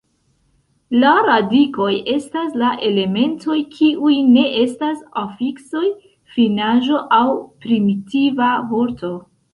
La radikoj estas la elementoj kiuj ne estas afiksoj, finaĵo, aŭ primitiva vorto.